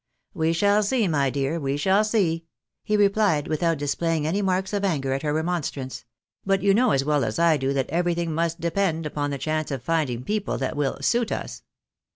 "We shall see, my dear, we shall see," he replied, without dis playing any marks of anger at her remonstrance ;" but you know as well as I do that everything must depend upon the chance of finding people that will suit us."